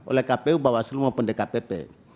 oleh kpu bawaslu maupun dkpp